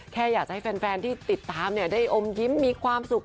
แค่อยากจะให้แฟนที่ติดตามได้อมยิ้มมีความสุข